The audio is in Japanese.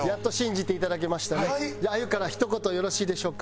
じゃああゆからひと言よろしいでしょうか？